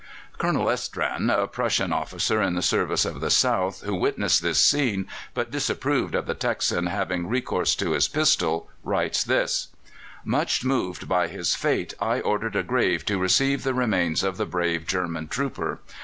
] Colonel Estran, a Prussian officer in the service of the South, who witnessed this scene, but disapproved of the Texan having recourse to his pistol, writes thus: "Much moved by his fate, I ordered a grave to receive the remains of the brave German trooper.